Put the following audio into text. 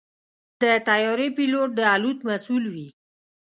د طیارې پيلوټ د الوت مسؤل وي.